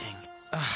ああ。